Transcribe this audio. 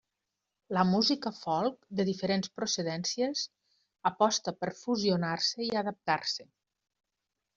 La música folk de diferents procedències aposta per fusionar-se i readaptar-se.